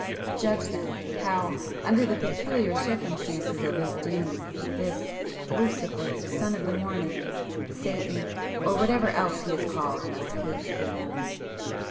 Judge then, how, under the peculiar circumstances of his doom, this 'Lucifer, Son of the Morning,' Satan, or whatever else he is called, must hate Humanity!"